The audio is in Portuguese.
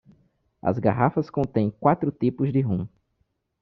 As garrafas contêm quatro tipos de rum.